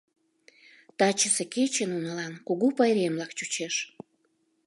Тачысе кече нунылан кугу пайремлак чучеш.